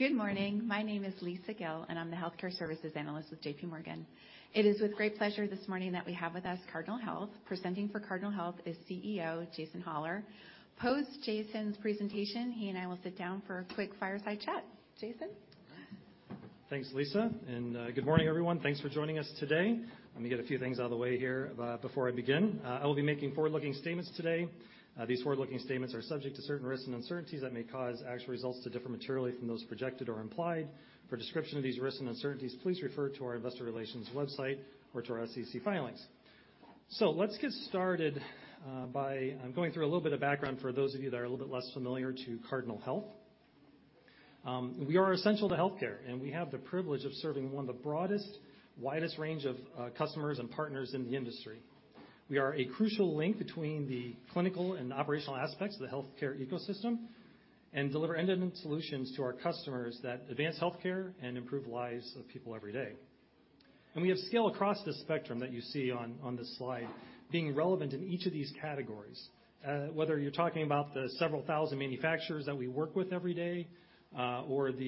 Good morning. My name is Lisa Gill, and I'm the Healthcare Services Analyst with JPMorgan. It is with great pleasure this morning that we have with us Cardinal Health. Presenting for Cardinal Health is CEO, Jason Hollar. Post Jason's presentation, he and I will sit down for a quick fireside chat. Jason. Thanks, Lisa, and good morning, everyone. Thanks for joining us today. Let me get a few things out of the way here before I begin. I will be making forward-looking statements today. These forward-looking statements are subject to certain risks and uncertainties that may cause actual results to differ materially from those projected or implied. For a description of these risks and uncertainties, please refer to our investor relations website or to our SEC filings. Let's get started by going through a little bit of background for those of you that are a little bit less familiar to Cardinal Health. We are essential to healthcare, and we have the privilege of serving one of the broadest, widest range of customers and partners in the industry. We are a crucial link between the clinical and operational aspects of the healthcare ecosystem and deliver end-to-end solutions to our customers that advance healthcare and improve lives of people every day. We have scale across the spectrum that you see on this slide being relevant in each of these categories. Whether you're talking about the several thousand manufacturers that we work with every day, or the,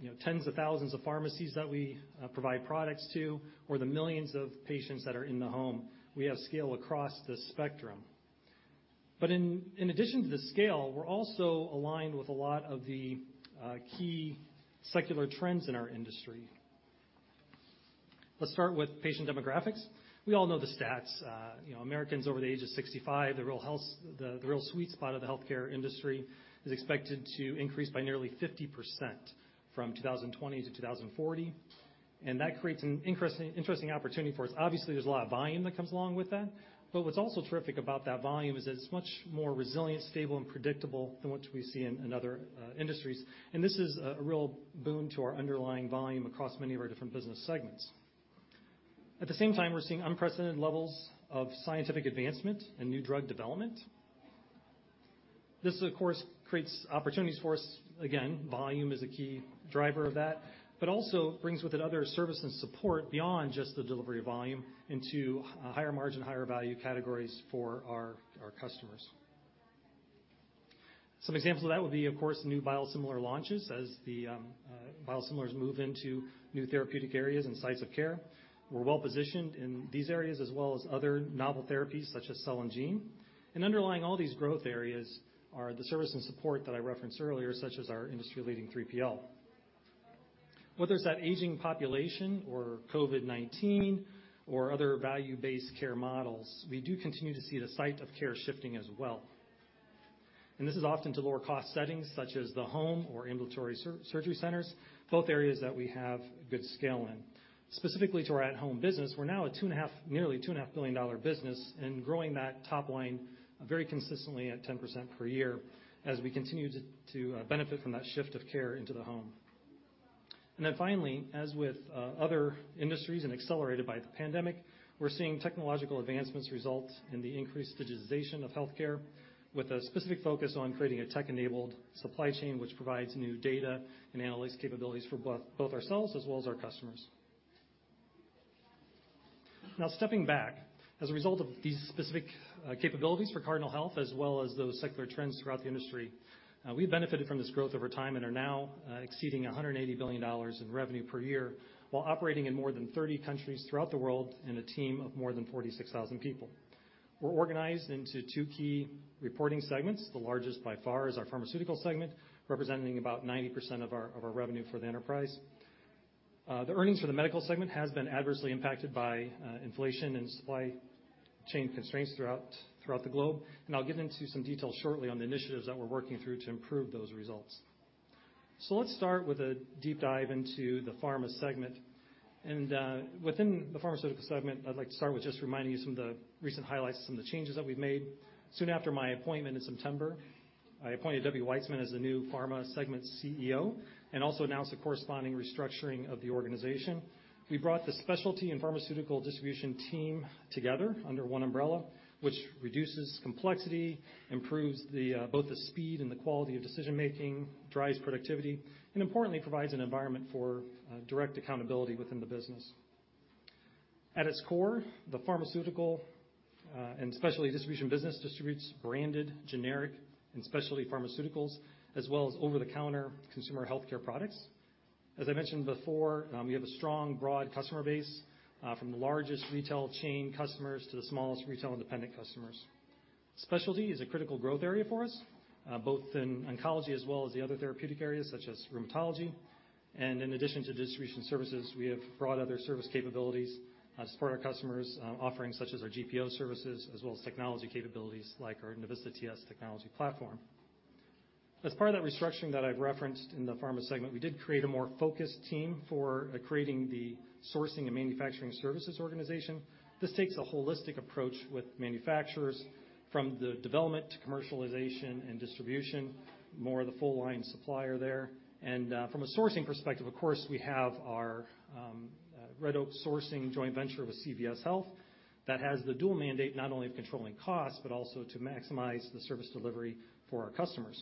you know, tens of thousands of pharmacies that we provide products to, or the millions of patients that are in the home, we have scale across the spectrum. In addition to the scale, we're also aligned with a lot of the key secular trends in our industry. Let's start with patient demographics. We all know the stats. You know, Americans over the age of 65, the real sweet spot of the healthcare industry, is expected to increase by nearly 50% from 2020 to 2040. That creates an interesting opportunity for us. Obviously, there's a lot of volume that comes along with that. What's also terrific about that volume is that it's much more resilient, stable, and predictable than what we see in other industries. This is a real boon to our underlying volume across many of our different business segments. At the same time, we're seeing unprecedented levels of scientific advancement and new drug development. This, of course, creates opportunities for us. Again, volume is a key driver of that, but also brings with it other service and support beyond just the delivery volume into higher margin, higher value categories for our customers. Some examples of that would be, of course, new biosimilar launches as the biosimilars move into new therapeutic areas and sites of care. We're well-positioned in these areas as well as other novel therapies such as cell and gene. Underlying all these growth areas are the service and support that I referenced earlier, such as our industry-leading 3PL. Whether it's that aging population or COVID-19 or other value-based care models, we do continue to see the site of care shifting as well. This is often to lower-cost settings such as the home or ambulatory surgery centers, both areas that we have good scale in. Specifically to our at-Home Solutions business, we're now a nearly two and a half billion dollar business and growing that top line very consistently at 10% per year as we continue to benefit from that shift of care into the home. Finally, as with other industries and accelerated by the pandemic, we're seeing technological advancements result in the increased digitization of healthcare with a specific focus on creating a tech-enabled supply chain which provides new data and analytics capabilities for both ourselves as well as our customers. Stepping back. As a result of these specific capabilities for Cardinal Health as well as those secular trends throughout the industry, we've benefited from this growth over time and are now exceeding $180 billion in revenue per year while operating in more than 30 countries throughout the world and a team of more than 46,000 people. We're organized into two key reporting segments. The largest by far is our pharmaceutical segment, representing about 90% of our revenue for the enterprise. The earnings for the medical segment has been adversely impacted by inflation and supply chain constraints throughout the globe, and I'll get into some detail shortly on the initiatives that we're working through to improve those results. Let's start with a deep dive into the pharma segment. Within the pharmaceutical segment, I'd like to start with just reminding you some of the recent highlights and some of the changes that we've made. Soon after my appointment in September, I appointed Debbie Weitzman as the new pharma segment CEO and also announced the corresponding restructuring of the organization. We brought the specialty and pharmaceutical distribution team together under one umbrella, which reduces complexity, improves both the speed and the quality of decision-making, drives productivity, and importantly, provides an environment for direct accountability within the business. At its core, the pharmaceutical and specialty distribution business distributes branded, generic, and specialty pharmaceuticals as well as over-the-counter consumer healthcare products. As I mentioned before, we have a strong, broad customer base from the largest retail chain customers to the smallest retail independent customers. Specialty is a critical growth area for us, both in oncology as well as the other therapeutic areas such as rheumatology. In addition to distribution services, we have broad other service capabilities to support our customers, offerings such as our GPO services as well as technology capabilities like our Navista TS technology platform. As part of that restructuring that I've referenced in the pharma segment, we did create a more focused team for creating the sourcing and manufacturing services organization. This takes a holistic approach with manufacturers from the development to commercialization and distribution, more of the full-line supplier there. From a sourcing perspective, of course, we have our Red Oak Sourcing joint venture with CVS Health that has the dual mandate not only of controlling costs, but also to maximize the service delivery for our customers.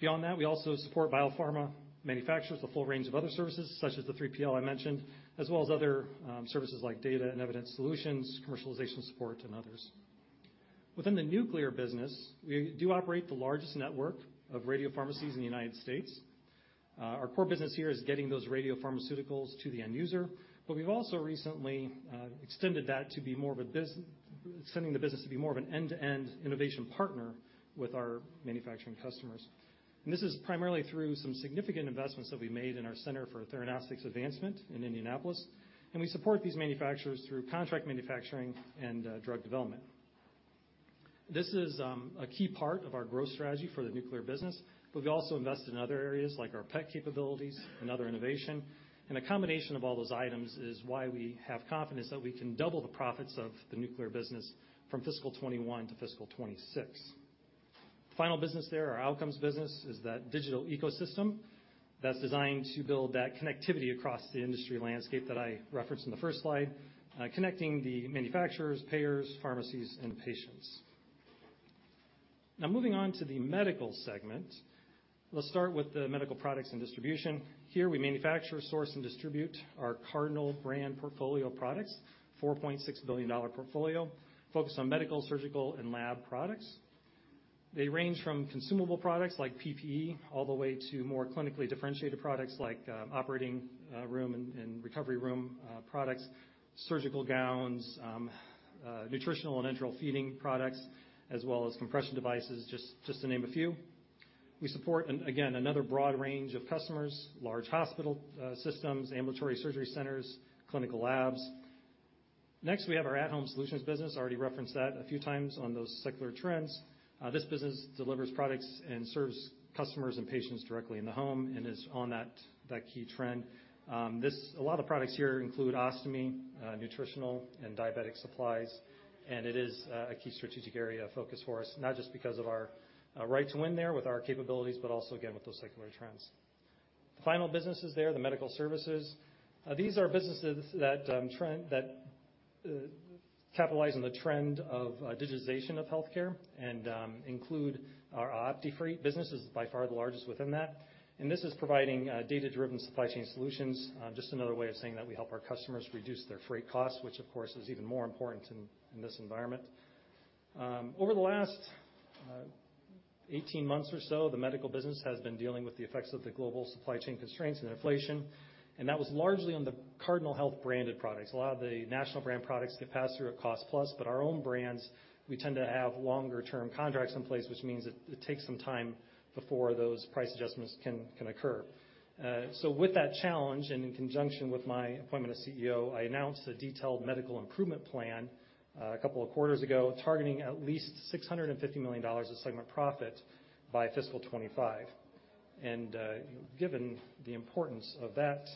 Beyond that, we also support biopharma manufacturers, the full range of other services, such as the 3PL I mentioned, as well as other services like data and evidence solutions, commercialization support, and others. Within the nuclear business, we do operate the largest network of radiopharmacies in the United States. Our core business here is getting those radiopharmaceuticals to the end user, but we've also recently extended that to be more of an end-to-end innovation partner with our manufacturing customers. This is primarily through some significant investments that we made in our Center for Theranostics Advancement in Indianapolis, and we support these manufacturers through contract manufacturing and drug development. This is a key part of our growth strategy for the nuclear business, but we also invest in other areas like our PET capabilities and other innovation. A combination of all those items is why we have confidence that we can double the profits of the nuclear business from fiscal 2021 to fiscal 2026. Final business there, our Outcomes business, is that digital ecosystem that's designed to build that connectivity across the industry landscape that I referenced in the first slide, connecting the manufacturers, payers, pharmacies, and patients. Moving on to the Medical segment. Let's start with the medical products and distribution. Here we manufacture, source, and distribute our Cardinal Brand portfolio products, a $4.6 billion portfolio, focused on medical, surgical, and lab products. They range from consumable products like PPE, all the way to more clinically differentiated products like operating room and recovery room products, surgical gowns, nutritional and enteral feeding products, as well as compression devices, just to name a few. We support an, again, another broad range of customers, large hospital systems, ambulatory surgery centers, clinical labs. Next, we have our at-Home Solutions business. I already referenced that a few times on those secular trends. This business delivers products and serves customers and patients directly in the home and is on that key trend. A lot of products here include ostomy, nutritional and diabetic supplies, and it is a key strategic area of focus for us, not just because of our right to win there with our capabilities, but also again, with those secular trends. The final businesses there, the medical services. These are businesses that capitalize on the trend of digitization of healthcare and include our OptiFreight business is by far the largest within that. This is providing data-driven supply chain solutions. Just another way of saying that we help our customers reduce their freight costs, which of course, is even more important in this environment. Over the last 18 months or so, the medical business has been dealing with the effects of the global supply chain constraints and inflation, and that was largely on the Cardinal Health Brand products. A lot of the national brand products get passed through at cost plus. Our own brands, we tend to have longer-term contracts in place, which means it takes some time before those price adjustments can occur. With that challenge, and in conjunction with my appointment as CEO, I announced a detailed medical improvement plan, a couple of quarters ago, targeting at least $650 million of segment profit by fiscal 2025. You know, given the importance of that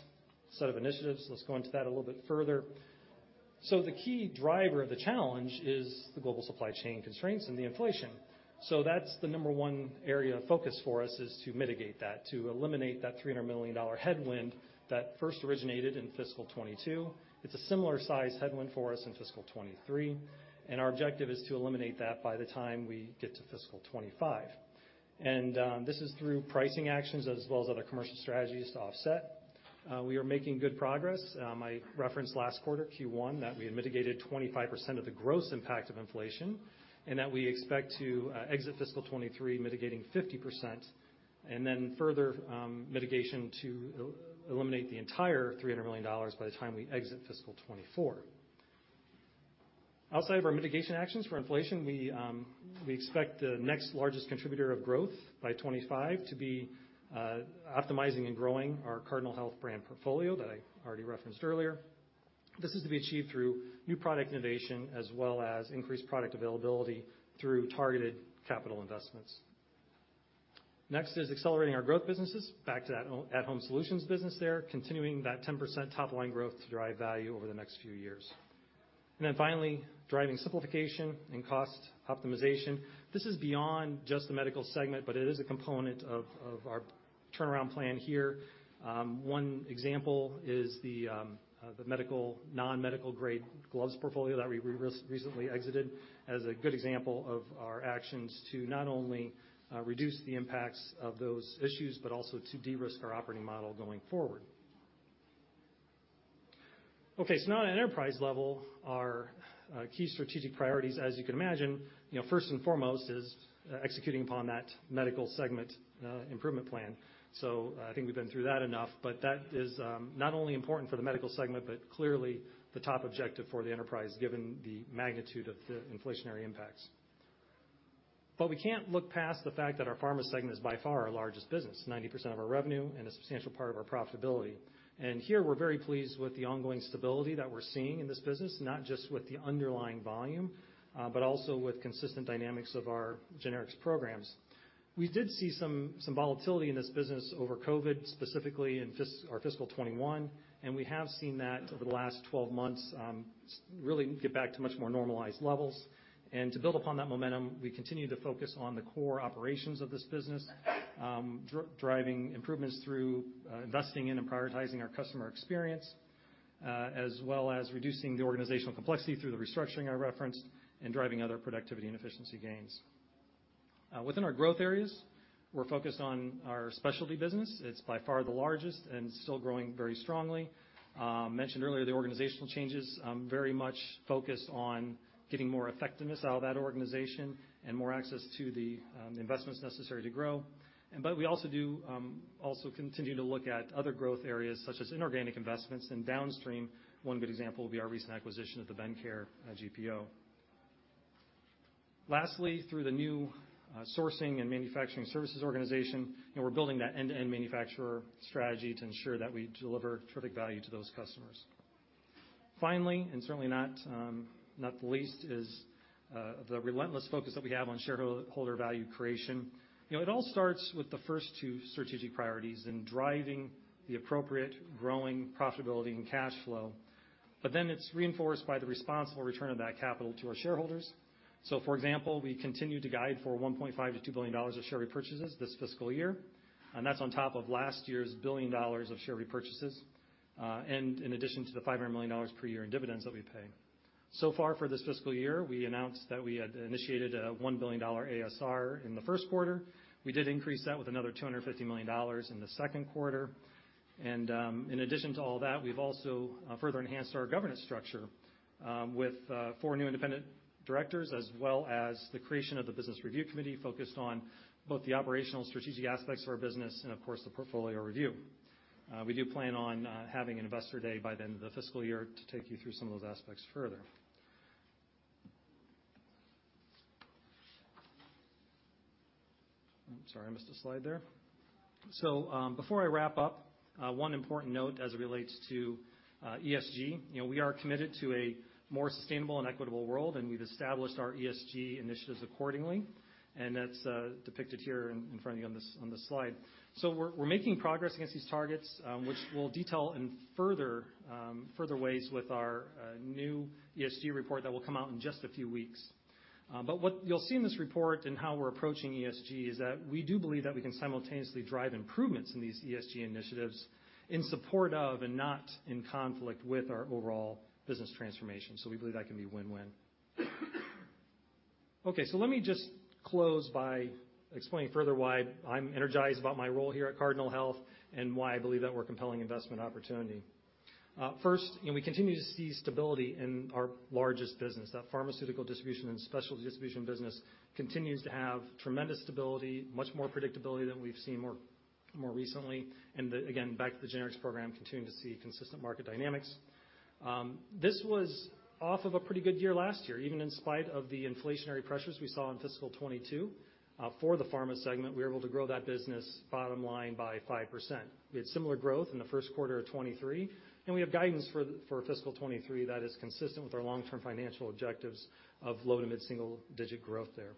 set of initiatives, let's go into that a little bit further. The key driver of the challenge is the global supply chain constraints and the inflation. That's the number one area of focus for us is to mitigate that, to eliminate that $300 million headwind that first originated in fiscal 2022. It's a similar size headwind for us in fiscal 2023, and our objective is to eliminate that by the time we get to fiscal 2025. This is through pricing actions as well as other commercial strategies to offset. We are making good progress. I referenced last quarter, Q1, that we had mitigated 25% of the gross impact of inflation, and that we expect to exit fiscal 2023 mitigating 50%, and then further mitigation to eliminate the entire $300 million by the time we exit fiscal 2024. Outside of our mitigation actions for inflation, we expect the next largest contributor of growth by 2025 to be optimizing and growing our Cardinal Health Brand portfolio that I already referenced earlier. This is to be achieved through new product innovation as well as increased product availability through targeted capital investments. Next is accelerating our growth businesses, back to that at-Home Solutions business there, continuing that 10% top-line growth to drive value over the next few years. Finally, driving simplification and cost optimization. This is beyond just the Medical Segment, but it is a component of our turnaround plan here. One example is the medical, non-medical grade gloves portfolio that we recently exited as a good example of our actions to not only reduce the impacts of those issues, but also to de-risk our operating model going forward. Now at enterprise level, our key strategic priorities, as you can imagine, you know, first and foremost, is executing upon that Medical Segment improvement plan. I think we've been through that enough, but that is not only important for the Medical Segment, but clearly the top objective for the enterprise given the magnitude of the inflationary impacts. We can't look past the fact that our Pharma segment is by far our largest business, 90% of our revenue and a substantial part of our profitability. Here, we're very pleased with the ongoing stability that we're seeing in this business, not just with the underlying volume, but also with consistent dynamics of our generics programs. We did see some volatility in this business over COVID, specifically in our fiscal 2021, and we have seen that over the last 12 months, really get back to much more normalized levels. To build upon that momentum, we continue to focus on the core operations of this business, driving improvements through investing in and prioritizing our customer experience as well as reducing the organizational complexity through the restructuring I referenced and driving other productivity and efficiency gains. Within our growth areas, we're focused on our specialty business. It's by far the largest and still growing very strongly. Mentioned earlier the organizational changes. I'm very much focused on getting more effectiveness out of that organization and more access to the investments necessary to grow. But we also do also continue to look at other growth areas such as inorganic investments and downstream. One good example would be our recent acquisition of the Bendcare GPO. Lastly, through the new sourcing and manufacturing services organization, you know, we're building that end-to-end manufacturer strategy to ensure that we deliver terrific value to those customers. Finally, certainly not the least, is the relentless focus that we have on shareholder value creation. You know, it all starts with the first two strategic priorities in driving the appropriate growing profitability and cash flow. It's reinforced by the responsible return of that capital to our shareholders. For example, we continue to guide for $1.5 billion-$2 billion of share repurchases this fiscal year, and that's on top of last year's $1 billion of share repurchases, and in addition to the $500 million per year in dividends that we pay. Far for this fiscal year, we announced that we had initiated a $1 billion ASR in the first quarter. We did increase that with another $250 million in the second quarter. In addition to all that, we've also further enhanced our governance structure with four new independent directors as well as the creation of the business review committee focused on both the operational and strategic aspects of our business and of course, the portfolio review. We do plan on having an investor day by the end of the fiscal year to take you through some of those aspects further. I'm sorry, I missed a slide there. Before I wrap up, one important note as it relates to ESG. You know, we are committed to a more sustainable and equitable world. We've established our ESG initiatives accordingly, and that's depicted here in front of you on this slide. We're making progress against these targets, which we'll detail in further ways with our new ESG report that will come out in just a few weeks. What you'll see in this report and how we're approaching ESG is that we do believe that we can simultaneously drive improvements in these ESG initiatives in support of, and not in conflict with, our overall business transformation. We believe that can be win-win. Let me just close by explaining further why I'm energized about my role here at Cardinal Health and why I believe that we're a compelling investment opportunity. First, you know, we continue to see stability in our largest business. That pharmaceutical distribution and specialty distribution business continues to have tremendous stability, much more predictability than we've seen more recently. The, again, back to the generics program, continuing to see consistent market dynamics. This was off of a pretty good year last year. Even in spite of the inflationary pressures we saw in fiscal 2022, for the pharma segment, we were able to grow that business bottom line by 5%. We had similar growth in the first quarter of 2023, and we have guidance for fiscal 2023 that is consistent with our long-term financial objectives of low to mid-single digit growth there.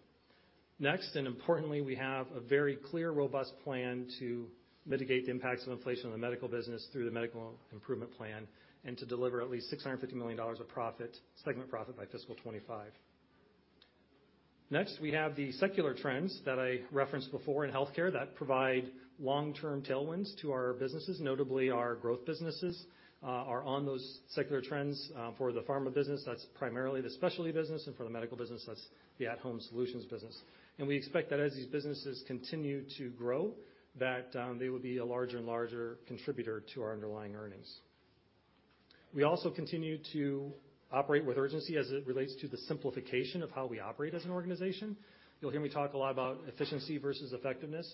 And importantly, we have a very clear, robust plan to mitigate the impacts of inflation on the medical business through the medical improvement plan and to deliver at least $650 million of profit, segment profit, by fiscal 2025. We have the secular trends that I referenced before in healthcare that provide long-term tailwinds to our businesses. Notably, our growth businesses are on those secular trends. For the pharma business, that's primarily the specialty business, and for the medical business, that's the at-Home Solutions business. We expect that as these businesses continue to grow, that they will be a larger and larger contributor to our underlying earnings. We also continue to operate with urgency as it relates to the simplification of how we operate as an organization. You'll hear me talk a lot about efficiency versus effectiveness.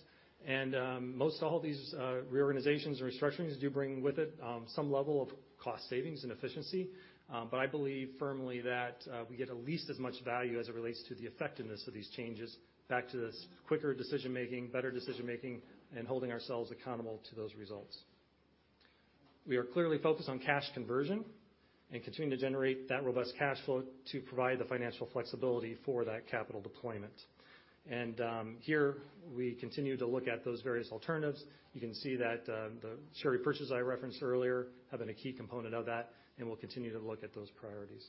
Most all these reorganizations or restructurings do bring with it some level of cost savings and efficiency. But I believe firmly that we get at least as much value as it relates to the effectiveness of these changes back to this quicker decision-making, better decision-making, and holding ourselves accountable to those results. We are clearly focused on cash conversion and continuing to generate that robust cash flow to provide the financial flexibility for that capital deployment. Here we continue to look at those various alternatives. You can see that the share repurchase I referenced earlier have been a key component of that, and we'll continue to look at those priorities.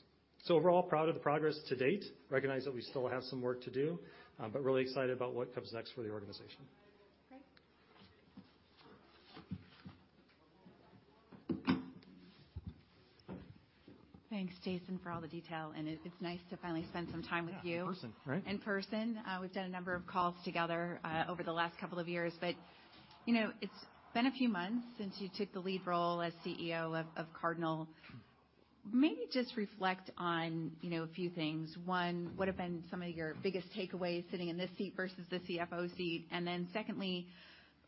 Overall, proud of the progress to date. Recognize that we still have some work to do, but really excited about what comes next for the organization. Great. Thanks, Jason, for all the detail. It's nice to finally spend some time with you. Yeah. In person, right? In person. We've done a number of calls together, over the last couple of years, but, you know, it's been a few months since you took the lead role as CEO of Cardinal. Mm-hmm. Maybe just reflect on, you know, a few things. One, what have been some of your biggest takeaways sitting in this seat versus the CFO seat? Secondly,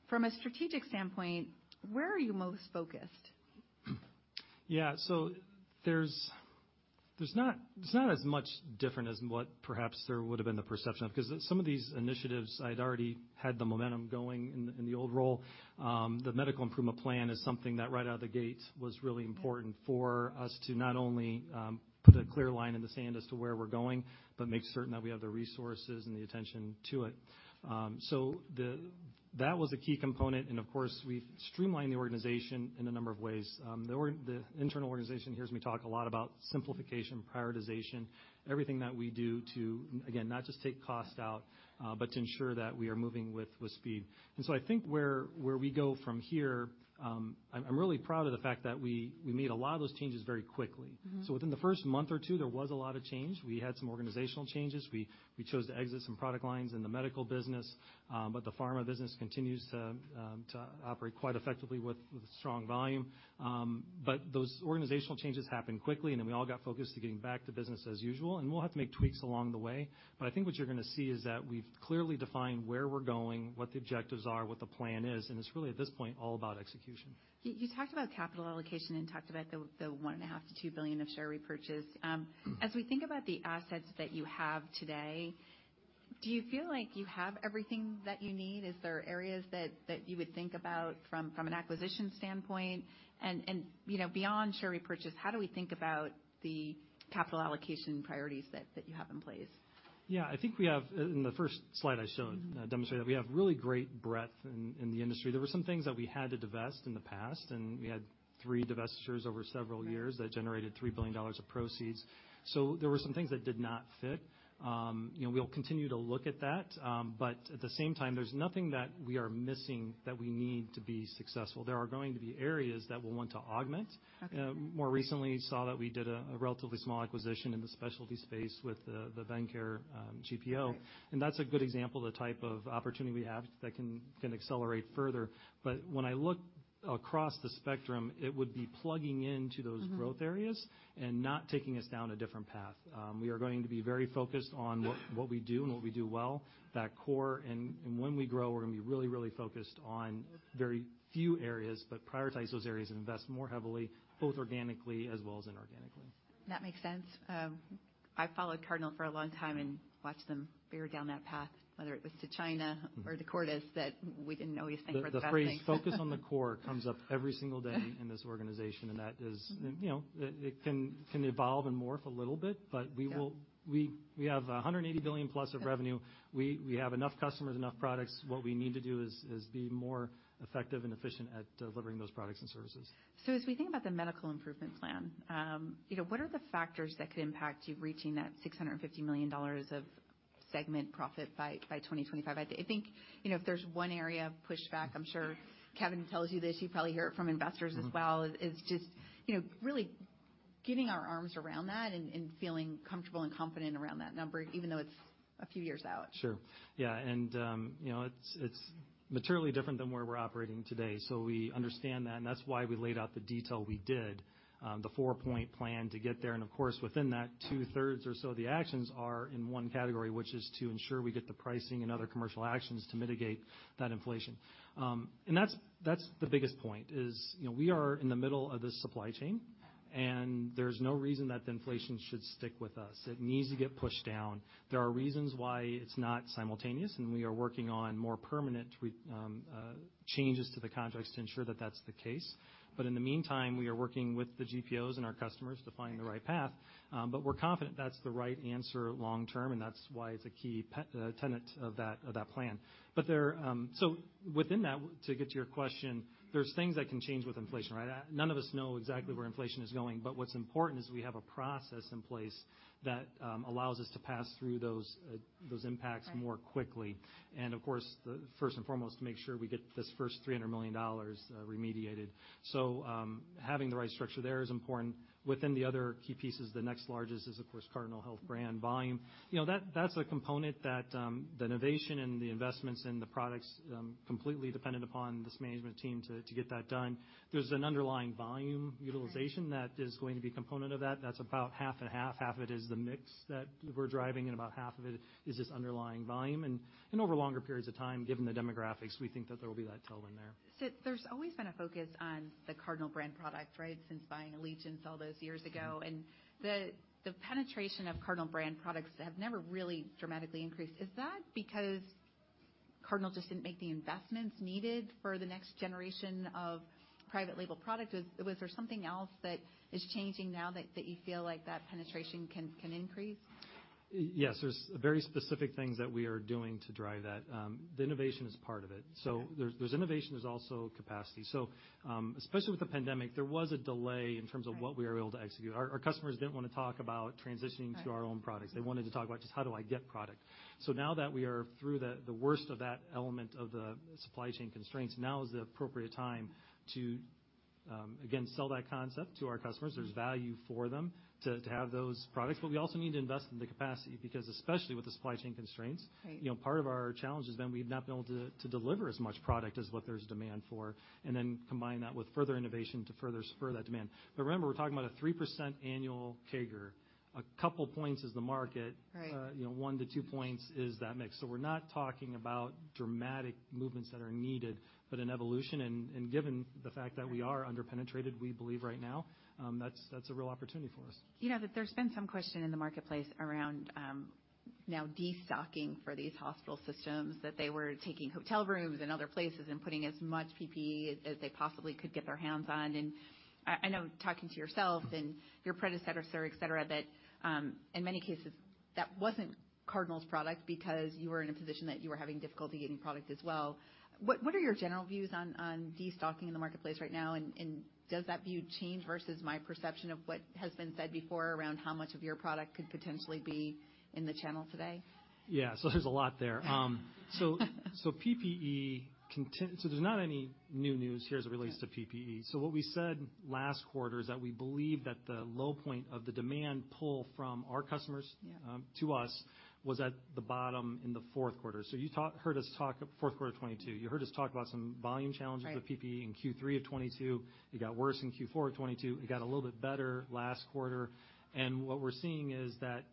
from a strategic standpoint, where are you most focused? Yeah. There's not as much different as what perhaps there would've been the perception of, because some of these initiatives, I'd already had the momentum going in the, in the old role. The medical improvement plan is something that, right out of the gate, was really important. Yeah For us to not only put a clear line in the sand as to where we're going, but make certain that we have the resources and the attention to it. That was a key component. Of course, we've streamlined the organization in a number of ways. The internal organization hears me talk a lot about simplification, prioritization, everything that we do to, again, not just take cost out, but to ensure that we are moving with speed. I think where we go from here, I'm really proud of the fact that we made a lot of those changes very quickly. Mm-hmm. Within the first month or two, there was a lot of change. We had some organizational changes. We chose to exit some product lines in the medical business, but the pharma business continues to operate quite effectively with strong volume. Those organizational changes happened quickly, and then we all got focused to getting back to business as usual. We'll have to make tweaks along the way, but I think what you're gonna see is that we've clearly defined where we're going, what the objectives are, what the plan is, and it's really, at this point, all about execution. You talked about capital allocation and talked about the $one and a half billion-$2 billion of share repurchase. Mm-hmm As we think about the assets that you have today. Do you feel like you have everything that you need? Is there areas that you would think about from an acquisition standpoint? You know, beyond share repurchase, how do we think about the capital allocation priorities that you have in place? Yeah, I think we have, in the first slide I showed- Mm-hmm. Demonstrated that we have really great breadth in the industry. There were some things that we had to divest in the past, and we had three divestitures over several years- Right. That generated $3 billion of proceeds. There were some things that did not fit. You know, we'll continue to look at that. At the same time, there's nothing that we are missing that we need to be successful. There are going to be areas that we'll want to augment. Okay. More recently, you saw that we did a relatively small acquisition in the specialty space with the Bendcare GPO. Right. That's a good example of the type of opportunity we have that can accelerate further. When I look across the spectrum, it would be plugging into those growth areas. Mm-hmm. And not taking us down a different path. We are going to be very focused on what we do and what we do well, that core. When we grow, we are going to be really, really focused on very few areas, but prioritize those areas and invest more heavily, both organically as well as inorganically. That makes sense. I followed Cardinal for a long time and watched them veer down that path, whether it was to China or to Cordis, that we didn't always think were the best things. The phrase "focus on the core" comes up every single day in this organization, and that is, you know, it can evolve and morph a little bit, but we will- Yeah. We have $180 billion+ of revenue. We have enough customers, enough products. What we need to do is be more effective and efficient at delivering those products and services. As we think about the medical improvement plan, you know, what are the factors that could impact you reaching that $650 million of segment profit by 2025? I think, you know, if there's one area of pushback, I'm sure Kevin tells you this, you probably hear it from investors as well. Mm-hmm. Is just, you know, really getting our arms around that and feeling comfortable and confident around that number, even though it's a few years out. Sure. Yeah. You know, it's materially different than where we're operating today, so we understand that, and that's why we laid out the detail we did, the four-point plan to get there. Of course, within that two-thirds or so of the actions are in one category, which is to ensure we get the pricing and other commercial actions to mitigate that inflation. That's the biggest point is, you know, we are in the middle of this supply chain, and there's no reason that the inflation should stick with us. It needs to get pushed down. There are reasons why it's not simultaneous, and we are working on more permanent changes to the contracts to ensure that that's the case. In the meantime, we are working with the GPOs and our customers to find the right path. We're confident that's the right answer long term, and that's why it's a key tenet of that plan. There, within that, to get to your question, there's things that can change with inflation, right? None of us know exactly where inflation is going. What's important is we have a process in place that allows us to pass through those impacts more quickly. Right. Of course, the first and foremost, to make sure we get this first $300 million remediated. Having the right structure there is important. Within the other key pieces, the next largest is, of course, Cardinal Health Brand volume. You know, that's a component that the innovation and the investments in the products completely dependent upon this management team to get that done. There's an underlying volume utilization that is going to be component of that. That's about half and half. Half of it is the mix that we're driving, and about half of it is just underlying volume. Over longer periods of time, given the demographics, we think that there will be that tailwind there. There's always been a focus on the Cardinal brand product, right? Since buying Allegiance all those years ago. Mm-hmm. The penetration of Cardinal Brand products have never really dramatically increased. Is that because Cardinal just didn't make the investments needed for the next generation of private label product? Or was there something else that is changing now that you feel like that penetration can increase? Yes. There's very specific things that we are doing to drive that. The innovation is part of it. Yeah. There's innovation, there's also capacity. Especially with the pandemic, there was a delay in terms of what we were able to execute. Our customers didn't wanna talk about transitioning to our own products. Right. They wanted to talk about just, "How do I get product?" Now that we are through the worst of that element of the supply chain constraints, now is the appropriate time to again, sell that concept to our customers. There's value for them to have those products. We also need to invest in the capacity because especially with the supply chain constraints. Right. you know, part of our challenge is then we've not been able to deliver as much product as what there's demand for, and then combine that with further innovation to further spur that demand. Remember, we're talking about a 3% annual CAGR. A couple points is the market. Right. You know, one to two points is that mix. We're not talking about dramatic movements that are needed, but an evolution and given the fact that we are under-penetrated, we believe right now, that's a real opportunity for us. You know, there's been some question in the marketplace around, Now destocking for these hospital systems that they were taking hotel rooms and other places and putting as much PPE as they possibly could get their hands on. I know talking to yourself and your predecessor, sir, et cetera, that, in many cases that wasn't Cardinal's product because you were in a position that you were having difficulty getting product as well. What are your general views on destocking in the marketplace right now? Does that view change versus my perception of what has been said before around how much of your product could potentially be in the channel today? Yeah. There's a lot there. PPE there's not any new news here as it relates to PPE. What we said last quarter is that we believe that the low point of the demand pull from our customers- Yeah To us was at the bottom in the fourth quarter. You heard us talk, fourth quarter 2022, you heard us talk about some volume challenges... Right With PPE in Q3 of 2022. It got worse in Q4 of 2022. It got a little bit better last quarter. What we're seeing is that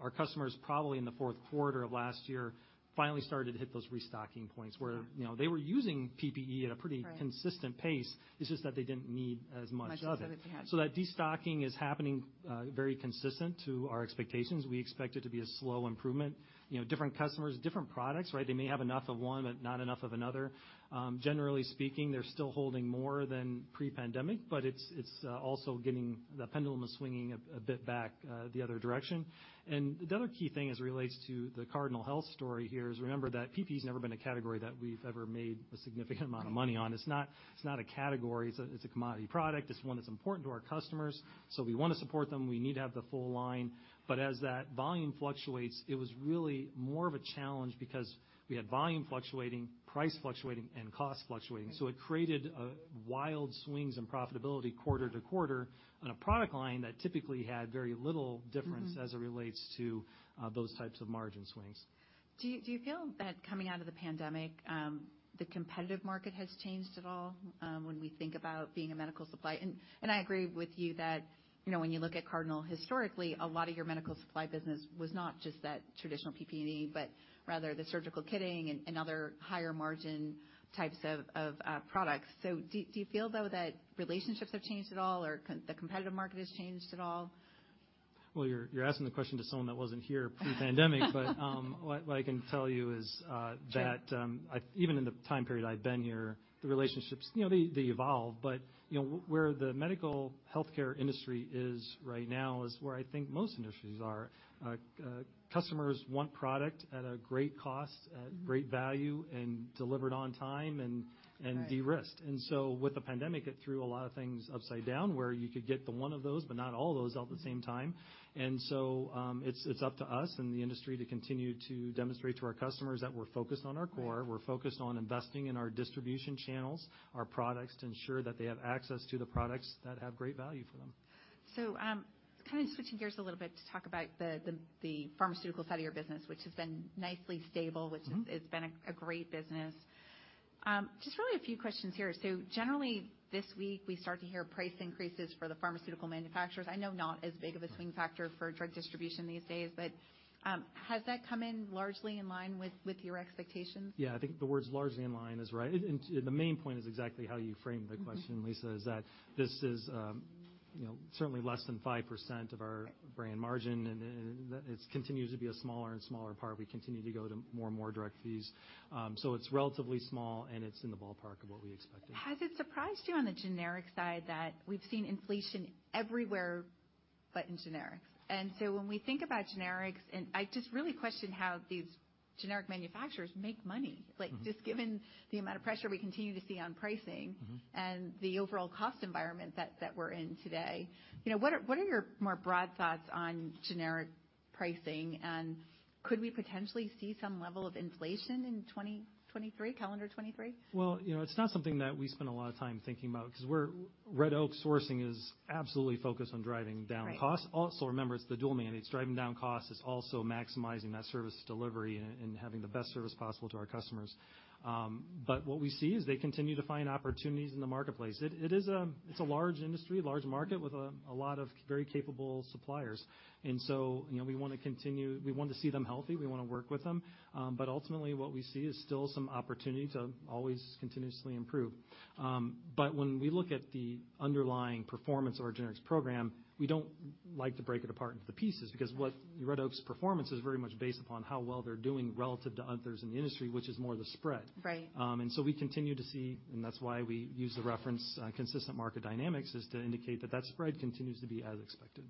our customers probably in the fourth quarter of last year finally started to hit those restocking points. Yeah You know, they were using PPE. Right Consistent pace. It's just that they didn't need as much of it. As much as they had. That destocking is happening very consistent to our expectations. We expect it to be a slow improvement. You know, different customers, different products, right? They may have enough of one but not enough of another. Generally speaking, they're still holding more than pre-pandemic, but it's also getting the pendulum swinging a bit back the other direction. The other key thing as it relates to the Cardinal Health story here is remember that PPE's never been a category that we've ever made a significant amount of money on. It's not a category, it's a commodity product. It's one that's important to our customers, so we wanna support them. We need to have the full line. As that volume fluctuates, it was really more of a challenge because we had volume fluctuating, price fluctuating, and cost fluctuating. Mm-hmm. It created, wild swings in profitability quarter to quarter on a product line that typically had very little difference. Mm-hmm As it relates to, those types of margin swings. Do you feel that coming out of the pandemic, the competitive market has changed at all, when we think about being a medical supply? I agree with you that, you know, when you look at Cardinal historically, a lot of your medical supply business was not just that traditional PPE, but rather the surgical kitting and other higher margin types of products. Do you feel though that relationships have changed at all, or the competitive market has changed at all? Well, you're asking the question to someone that wasn't here pre-pandemic. What I can tell you is. Sure That, even in the time period I've been here, the relationships, you know, they evolve. You know, where the medical healthcare industry is right now is where I think most industries are. Customers want product at a great cost. Mm-hmm At great value and delivered on time and. Right Derisked. With the pandemic, it threw a lot of things upside down, where you could get the one of those, but not all of those at the same time. It's, it's up to us and the industry to continue to demonstrate to our customers that we're focused on our core. Right. We're focused on investing in our distribution channels, our products, to ensure that they have access to the products that have great value for them. Kind of switching gears a little bit to talk about the pharmaceutical side of your business, which has been nicely stable. Mm-hmm Which has, it's been a great business. Just really a few questions here. Generally this week we start to hear price increases for the pharmaceutical manufacturers. I know not as big of a swing factor for drug distribution these days, but has that come in largely in line with your expectations? Yeah. I think the words largely in line is right. The main point is exactly how you framed the question, Lisa, is that this is, you know, certainly less than 5% of our brand margin, and it continues to be a smaller and smaller part. We continue to go to more and more direct fees. It's relatively small, and it's in the ballpark of what we expected. Has it surprised you on the generic side that we've seen inflation everywhere but in generics? When we think about generics, I just really question how these generic manufacturers make money. Mm-hmm. Like, just given the amount of pressure we continue to see on pricing... Mm-hmm And the overall cost environment that we're in today. You know, what are your more broad thoughts on generic pricing? Could we potentially see some level of inflation in 2023, calendar 2023? Well, you know, it's not something that we spend a lot of time thinking about, 'cause Red Oak Sourcing is absolutely focused on driving down costs. Right. Also remember, it's the dual mandate. It's driving down costs. It's also maximizing that service delivery and having the best service possible to our customers. What we see is they continue to find opportunities in the marketplace. It's a large industry, large market with a lot of very capable suppliers. You know, we wanna continue. We want to see them healthy, we wanna work with them. Ultimately what we see is still some opportunity to always continuously improve. When we look at the underlying performance of our generics program, we don't like to break it apart into the pieces because what Red Oak's performance is very much based upon how well they're doing relative to others in the industry, which is more the spread. Right. We continue to see, and that's why we use the reference, consistent market dynamics, is to indicate that that spread continues to be as expected.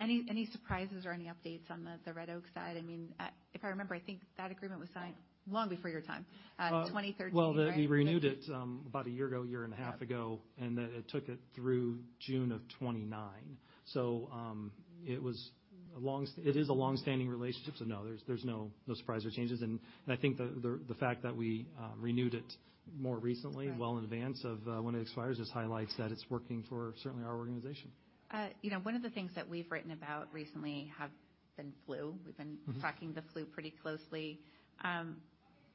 Any surprises or any updates on the Red Oak side? I mean, if I remember, I think that agreement was signed long before your time, 2013, right? Well, we renewed it, about a year ago, year and a half ago. Yeah. it took it through June of 2029. it is a longstanding relationship, so no, there's no surprise or changes. I think the fact that we renewed it more recently. Right Well in advance of, when it expires, just highlights that it's working for certainly our organization. You know, one of the things that we've written about recently have been flu. Mm-hmm. We've been tracking the flu pretty closely.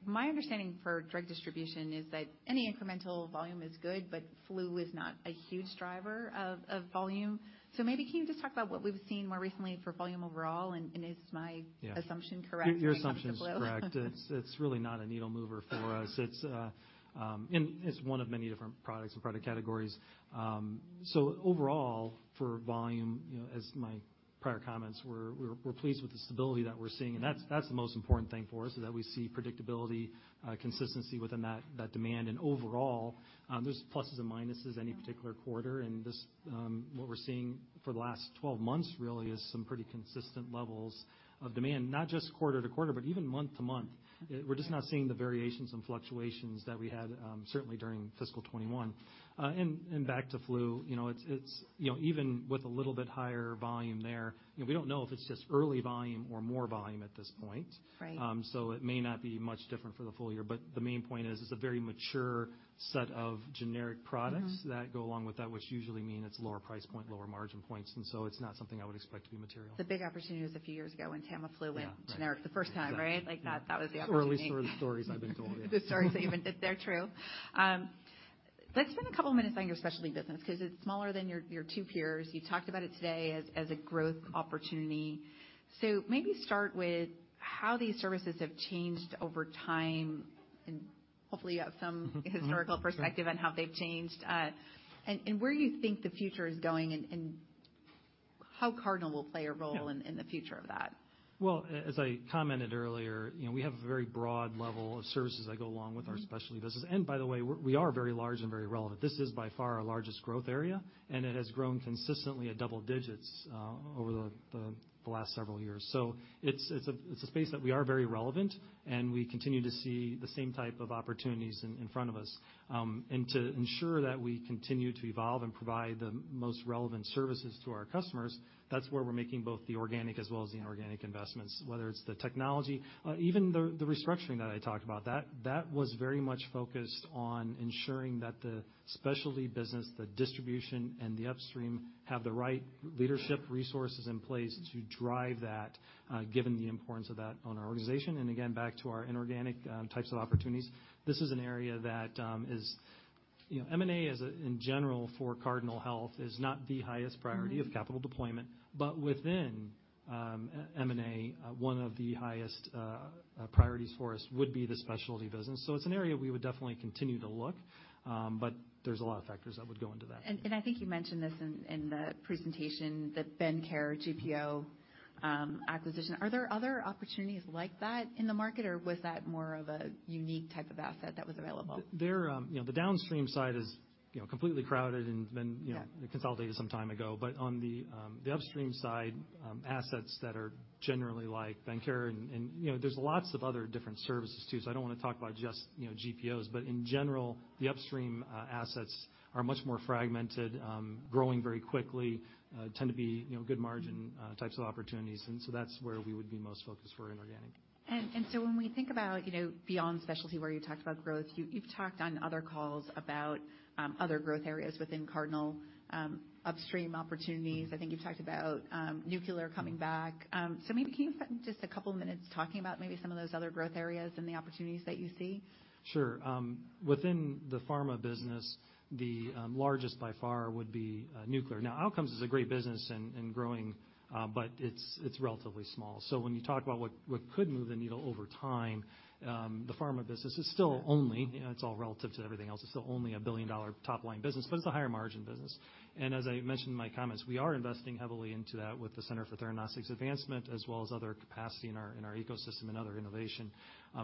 My understanding for drug distribution is that any incremental volume is good, but flu is not a huge driver of volume. Maybe can you just talk about what we've seen more recently for volume overall? Yeah. Assumption correct? Your assumption is correct. It's really not a needle mover for us. It's one of many different products and product categories. Overall for volume, you know, as my prior comments were, we're pleased with the stability that we're seeing. That's the most important thing for us, so that we see predictability, consistency within that demand. Overall, there's pluses and minuses... Mm-hmm. Any particular quarter. This, what we're seeing for the last 12 months really is some pretty consistent levels of demand. Not just quarter to quarter, but even month to month. We're just not seeing the variations and fluctuations that we had, certainly during fiscal 2021. Back to flu, you know, it's, you know, even with a little bit higher volume there, you know, we don't know if it's just early volume or more volume at this point. Right. It may not be much different for the full year, but the main point is, it's a very mature set of generic products. Mm-hmm. that go along with that, which usually mean it's lower price point, lower margin points, and so it's not something I would expect to be material. The big opportunity was a few years ago when Tamiflu. Yeah, right. Went generic the first time, right? Yeah. Like that was the opportunity. Early sort of stories I've been told, yeah. The stories, even if they're true. Let's spend a couple minutes on your specialty business, 'cause it's smaller than your two peers. You talked about it today as a growth opportunity. Maybe start with how these services have changed over time, and hopefully you have. Mm-hmm. Historical perspective- Sure. On how they've changed, and where you think the future is going and how Cardinal will play a role Yeah. in the future of that. Well, as I commented earlier, you know, we have a very broad level of services that go along with our. Mm-hmm. Specialty business. By the way, we are very large and very relevant. This is by far our largest growth area, and it has grown consistently at double digits over the last several years. It's a space that we are very relevant and we continue to see the same type of opportunities in front of us. To ensure that we continue to evolve and provide the most relevant services to our customers, that's where we're making both the organic as well as the inorganic investments. Whether it's the technology, even the restructuring that I talked about. That was very much focused on ensuring that the specialty business, the distribution, and the upstream have the right leadership resources in place to drive that given the importance of that on our organization. Again, back to our inorganic, types of opportunities, this is an area that, is, you know, M&A in general for Cardinal Health is not the highest priority. Mm-hmm. Of capital deployment. Within M&A, one of the highest priorities for us would be the specialty business. It's an area we would definitely continue to look, but there's a lot of factors that would go into that. I think you mentioned this in the presentation, the Bendcare GPO acquisition. Are there other opportunities like that in the market, or was that more of a unique type of asset that was available? There, you know, the downstream side is, you know, completely crowded and been, you know-. Yeah. Consolidated some time ago. On the the upstream side, assets that are generally like BendCare and, you know, there's lots of other different services too, so I don't wanna talk about just, you know, GPOs. In general, the upstream, assets are much more fragmented, growing very quickly, tend to be, you know, good margin- Mm-hmm. Types of opportunities, that's where we would be most focused for inorganic. When we think about, you know, beyond specialty, where you talked about growth, you've talked on other calls about other growth areas within Cardinal, upstream opportunities. I think you've talked about nuclear coming back. So maybe can you spend just two minutes talking about maybe some of those other growth areas and the opportunities that you see? Sure. Within the pharma business, the largest by far would be nuclear. Outcomes is a great business and growing, but it's relatively small. When you talk about what could move the needle over time, the pharma business is still only, you know, it's all relative to everything else, it's still only a billion-dollar top-line business, but it's a higher margin business. As I mentioned in my comments, we are investing heavily into that with the Center for Theranostics Advancement, as well as other capacity in our ecosystem and other innovation.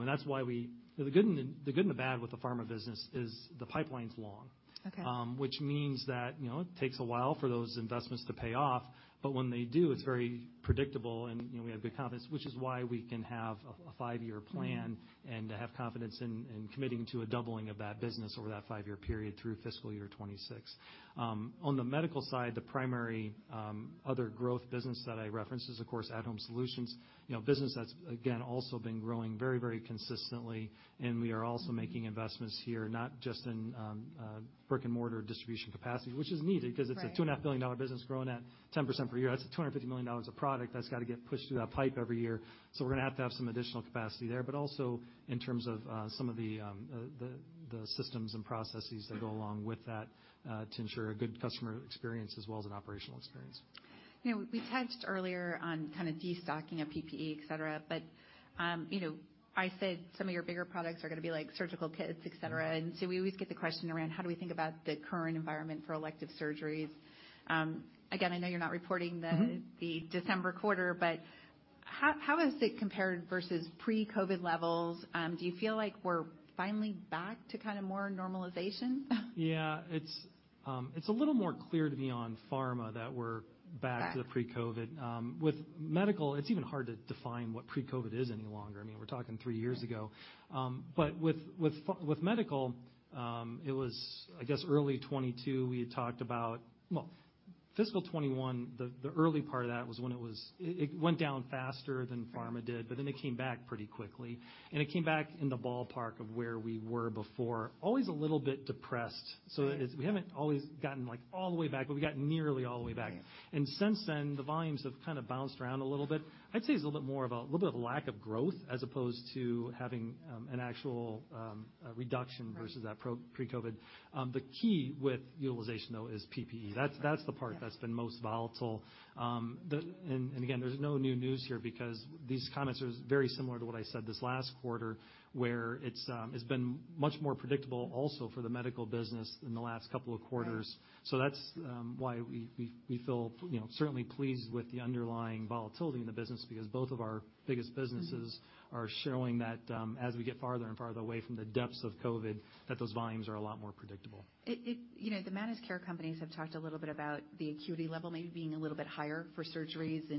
That's why we. The good and the bad with the pharma business is the pipeline's long. Okay. Which means that, you know, it takes a while for those investments to pay off, but when they do, it's very predictable and, you know, we have the confidence, which is why we can have a five-year plan. Mm-hmm. -and to have confidence in committing to a doubling of that business over that 5-year period through fiscal year 2026. On the medical side, the primary other growth business that I referenced is, of course, At-Home Solutions. You know, business that's, again, also been growing very consistently, and we are also making investments here, not just in brick and mortar distribution capacity, which is needed- Right. 'cause it's a two and a half billion dollar business growing at 10% per year. That's $250 million of product that's gotta get pushed through that pipe every year. We're gonna have to have some additional capacity there. But also in terms of some of the systems and processes that go along with that, to ensure a good customer experience as well as an operational experience. You know, we touched earlier on kind of destocking of PPE, et cetera, but, you know, I said some of your bigger products are gonna be like surgical kits, et cetera. Mm-hmm. We always get the question around how do we think about the current environment for elective surgeries? Again, I know you're not reporting. Mm-hmm. The December quarter, how has it compared versus pre-COVID levels? Do you feel like we're finally back to kind of more normalization? Yeah. It's, it's a little more clear to me on pharma that we're. Back. To the pre-COVID. With medical, it's even hard to define what pre-COVID is anymore. I mean, we're talking three years ago. But with medical, it was, I guess, early 2022, we had talked about. Well, fiscal 2021, the early part of that was when it went down faster than pharma did, but then it came back pretty quickly. It came back in the ballpark of where we were before. Always a little bit depressed, so it Right. We haven't always gotten, like, all the way back, but we got nearly all the way back. Yeah. Since then, the volumes have kind of bounced around a little bit. I'd say it's a little bit more of a, little bit of lack of growth as opposed to having an actual reduction. Right. Versus that pro, pre-COVID. The key with utilization, though, is PPE. That's, that's the part. Yeah. That's been most volatile. Again, there's no new news here because these comments are very similar to what I said this last quarter, where it's been much more predictable also for the medical business in the last couple of quarters. Yeah. That's why we feel, you know, certainly pleased with the underlying volatility in the business because both of our biggest businesses. Mm-hmm. Are showing that, as we get farther and farther away from the depths of COVID, that those volumes are a lot more predictable. It, you know, the managed care companies have talked a little bit about the acuity level maybe being a little bit higher for surgeries.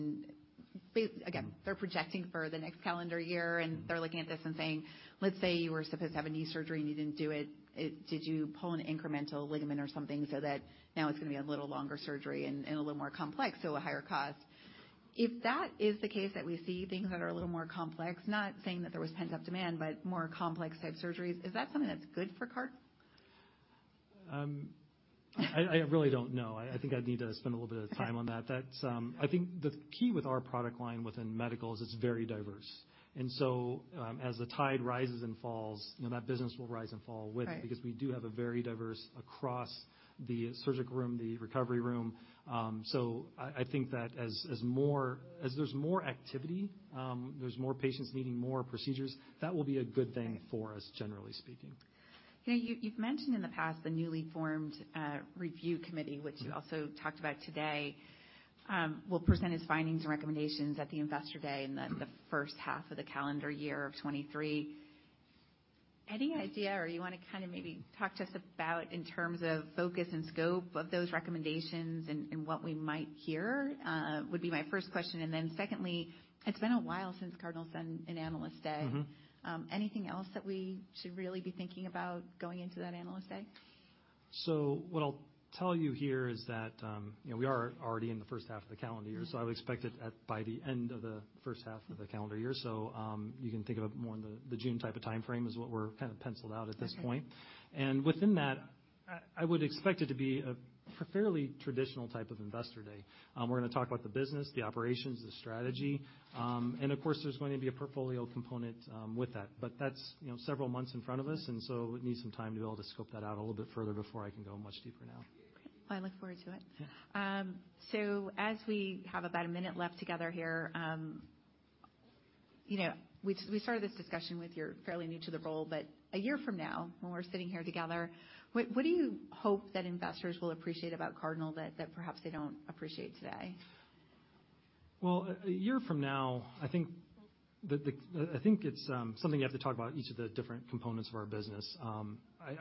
Again, they're projecting for the next calendar year, and they're looking at this and saying, "Let's say you were supposed to have a knee surgery and you didn't do it, did you pull an incremental ligament or something so that now it's gonna be a little longer surgery and a little more complex, so a higher cost?" If that is the case that we see things that are a little more complex, not saying that there was pent-up demand, but more complex type surgeries, is that something that's good for CAH? I really don't know. I think I'd need to spend a little bit of time on that. Okay. That's, I think the key with our product line within medical is it's very diverse. As the tide rises and falls, you know, that business will rise and fall with it. Right. We do have a very diverse across the surgical room, the recovery room. I think that as there's more activity, there's more patients needing more procedures, that will be a good thing for us, generally speaking. You know, you've mentioned in the past the newly formed review committee, which you also talked about today, will present its findings and recommendations at the Investor Day. Mm-hmm. the first half of the calendar year of 2023. Any idea, or you wanna kinda maybe talk to us about in terms of focus and scope of those recommendations and what we might hear, would be my first question. Secondly, it's been a while since Cardinal sent an Analyst Day. Mm-hmm. Anything else that we should really be thinking about going into that Analyst Day? What I'll tell you here is that, you know, we are already in the first half of the calendar year. Mm-hmm. I would expect it at by the end of the first half of the calendar year. You can think of it more in the June type of timeframe is what we're kind of penciled out at this point. Okay. Within that, I would expect it to be a fairly traditional type of Investor Day. We're gonna talk about the business, the operations, the strategy, and of course, there's going to be a portfolio component with that. That's, you know, several months in front of us, so we need some time to be able to scope that out a little bit further before I can go much deeper now. Well, I look forward to it. Yeah. As we have about a minute left together here, you know, we started this discussion with you're fairly new to the role, but a year from now, when we're sitting here together, what do you hope that investors will appreciate about Cardinal that perhaps they don't appreciate today? Well, a year from now, I think that the... I think it's something you have to talk about each of the different components of our business.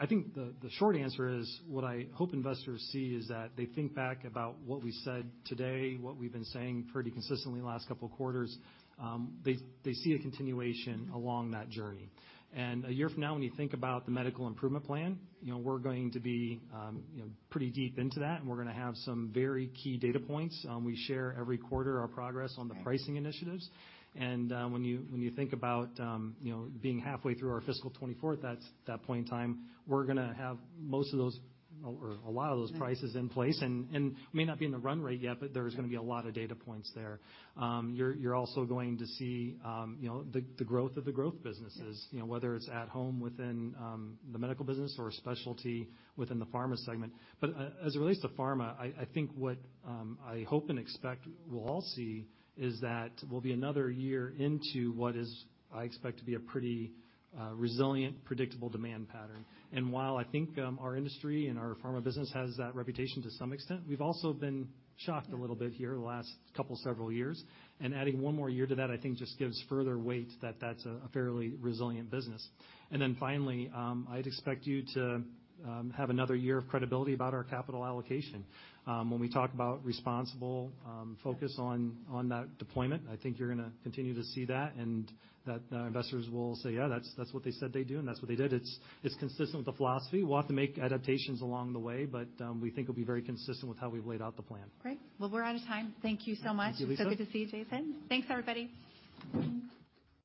I think the short answer is, what I hope investors see is that they think back about what we said today, what we've been saying pretty consistently the last couple of quarters, they see a continuation along that journey. A year from now, when you think about the medical improvement plan, you know, we're going to be, you know, pretty deep into that, and we're gonna have some very key data points. We share every quarter our progress on the pricing initiatives. Right. When you think about, you know, being halfway through our fiscal 2024 at that point in time, we're gonna have most of those or a lot of those prices in place. We may not be in the run rate yet, but there's gonna be a lot of data points there. You're also going to see, you know, the growth of the growth businesses. Yeah. You know, whether it's at home within the medical business or specialty within the pharma segment. As it relates to pharma, I think what I hope and expect we'll all see is that we'll be another year into what is, I expect to be a pretty resilient, predictable demand pattern. While I think our industry and our pharma business has that reputation to some extent, we've also been shocked a little bit here the last couple, several years. Adding one more year to that, I think, just gives further weight that that's a fairly resilient business. Finally, I'd expect you to have another year of credibility about our capital allocation. When we talk about responsible, focus on that deployment, I think you're gonna continue to see that and that investors will say, "Yeah, that's what they said they'd do, and that's what they did." It's consistent with the philosophy. We'll have to make adaptations along the way, but we think it'll be very consistent with how we've laid out the plan. Great. We're out of time. Thank you so much. Thank you, Lisa. Good to see you, Jason. Thanks, everybody.